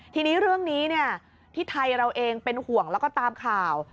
ทีนี้เรื่องนี้ที่ไทยเราเองเป็นห่วงแล้วก็ตามข่าว